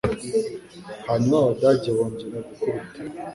Hanyuma Abadage bongera gukubita.